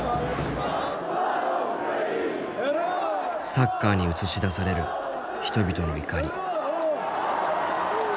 サッカーに映し出される人々の怒り。